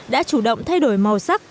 đã chủ động thay đổi màu sắc